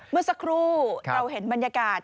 เมื่อสักครู่เราเห็นบรรยากาศ